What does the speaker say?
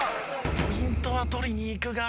ポイントは取りにいくが。